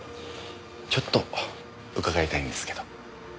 ちょっと伺いたいんですけど。